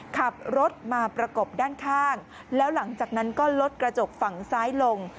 ขับรถมาประกบด้านข้างแล้วหลังจากนั้นก็ลดกระจกฝั่งซ้ายลง